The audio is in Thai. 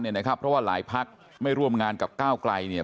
เพราะว่าหลายพักไม่ร่วมงานกับก้าวไกลเนี่ย